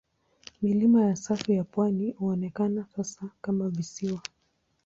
Milima ya safu ya pwani huonekana sasa kama visiwa.